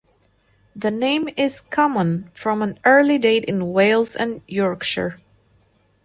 The name is common from an early date in Wales and Yorkshire.